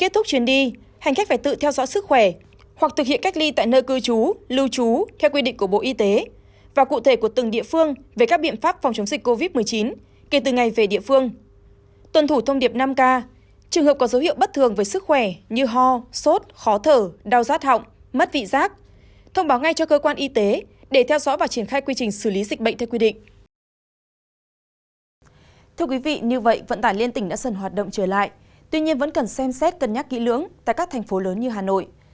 tuy nhiên vẫn cần xem xét cân nhắc kỹ lưỡng tại các thành phố lớn như hà nội